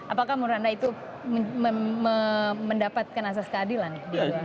apakah menurut anda itu mendapatkan asas keadilan